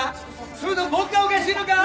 それとも僕がおかしいのか！？